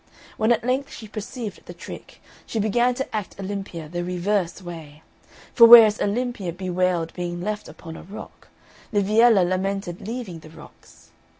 When at length she perceived the trick, she began to act Olympia the reverse way; for whereas Olympia bewailed being left upon a rock, Liviella lamented leaving the rocks.